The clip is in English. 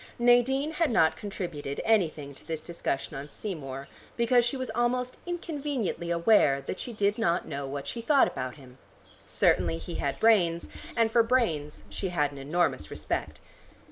Nadine had not contributed anything to this discussion on Seymour, because she was almost inconveniently aware that she did not know what she thought about him. Certainly he had brains, and for brains she had an enormous respect.